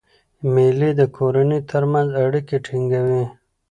مېلې د کورنۍ ترمنځ اړیکي ټینګوي.